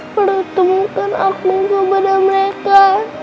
perutungkan aku kepada mereka